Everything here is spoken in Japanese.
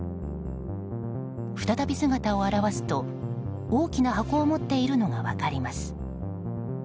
再び姿を現すと、大きな箱を持っているのが分かります。